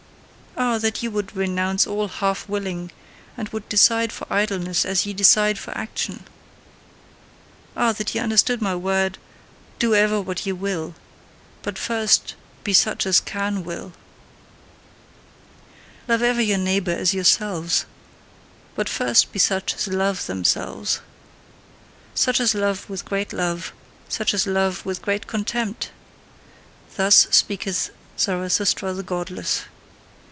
Ah, that ye would renounce all HALF willing, and would decide for idleness as ye decide for action! Ah, that ye understood my word: "Do ever what ye will but first be such as CAN WILL. Love ever your neighbour as yourselves but first be such as LOVE THEMSELVES Such as love with great love, such as love with great contempt!" Thus speaketh Zarathustra the godless.